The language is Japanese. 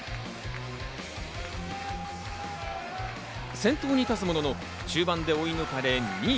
先頭に立つものの、中盤で追い抜かれ２位。